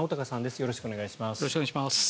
よろしくお願いします。